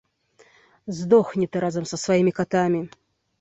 Здохні ты разам са сваімі катамі!